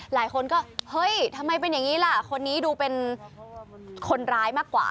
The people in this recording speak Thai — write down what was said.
หลายคนก็เฮ้ยทำไมเป็นอย่างนี้ล่ะคนนี้ดูเป็นคนร้ายมากกว่า